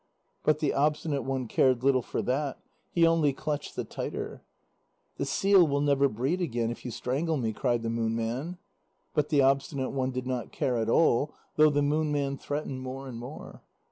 But the Obstinate One cared little for that; he only clutched the tighter. "The seal will never breed again if you strangle me," cried the Moon Man. But the Obstinate One did not care at all, though the Moon Man threatened more and more.